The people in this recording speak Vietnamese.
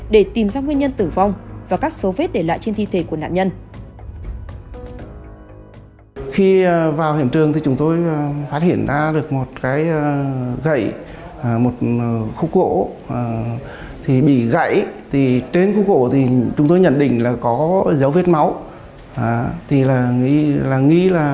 để tìm ra nguyên nhân tử vong và các số vết để lại trên thi thể của nạn nhân